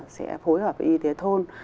sẽ phối hợp với y tế thôn